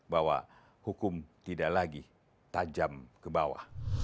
bahwa hukum tidak lagi tajam ke bawah